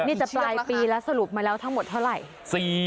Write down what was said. นี่จะปลายปีแล้วสรุปมาแล้วทั้งหมดเท่าไหร่